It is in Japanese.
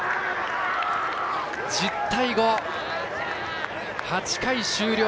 １０対５８回終了。